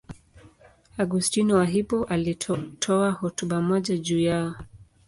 Augustino wa Hippo alitoa hotuba moja juu yao.